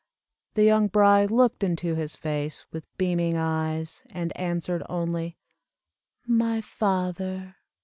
The young bride looked into his face, with beaming eyes, and answered only "my father."